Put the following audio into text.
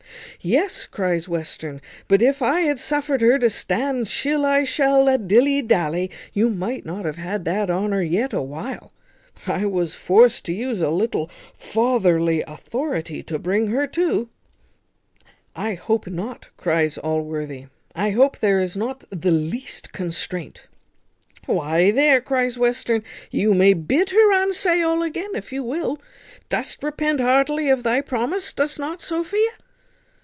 "Yes," cries Western, "but if I had suffered her to stand shill I shall I, dilly dally, you might not have had that honour yet a while; I was forced to use a little fatherly authority to bring her to." "I hope not, sir," cries Allworthy, "I hope there is not the least constraint." "Why, there," cries Western, "you may bid her unsay all again if you will. Dost repent heartily of thy promise, dost not, Sophia?"